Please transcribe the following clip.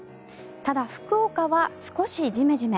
ただ、福岡は少しジメジメ。